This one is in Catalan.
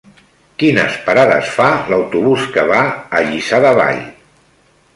Quines parades fa l'autobús que va a Lliçà de Vall?